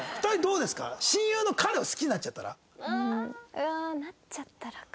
うわなっちゃったらか。